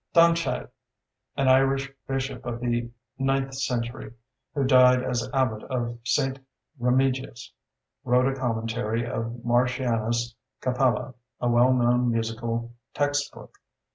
Donnchadh, an Irish bishop of the ninth century, who died as abbot of St. Remigius, wrote a commentary on Martianus Capella, a well known musical text book.